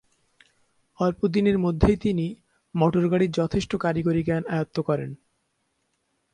অল্প দিনের মধ্যেই তিনি মোটর-গাড়ীর যথেষ্ট কারিগরি জ্ঞান আয়ত্ত করেন।